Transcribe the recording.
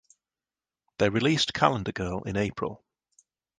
They released "Calendar Girl" in April.